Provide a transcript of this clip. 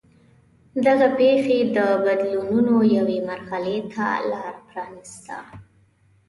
دغه پېښې د بدلونونو یوې مرحلې ته لار پرانېسته.